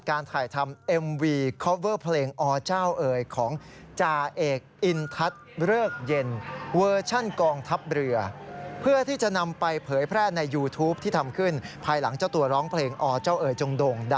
ครับผมเพราะว่าหลังจากที่มีคลิปเผยแพร่ออกมา